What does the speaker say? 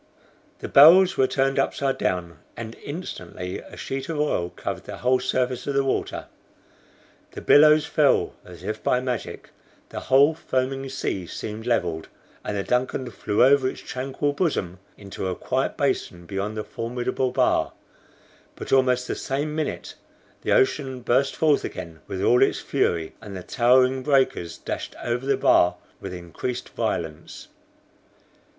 The barrels were turned upside down, and instantly a sheet of oil covered the whole surface of the water. The billows fell as if by magic, the whole foaming sea seemed leveled, and the DUNCAN flew over its tranquil bosom into a quiet basin beyond the formidable bar; but almost the same minute the ocean burst forth again with all its fury, and the towering breakers dashed over the bar with increased violence.